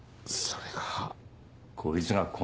それが。